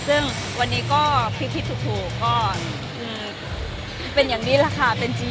ซึ่งวันนี้ก็พิธีถูกก็เป็นอย่างนี้แหละค่ะเป็นจียอด